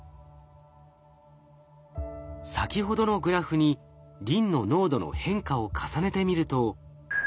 先ほどのグラフにリンの濃度の変化を重ねてみると。